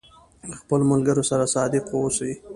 د خپلو ملګرو سره صادق اوسئ.